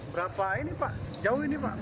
berapa ini pak jauh ini pak